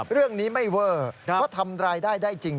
เรื่องนี้ไม่เวอร์ก็ทำรายได้จริง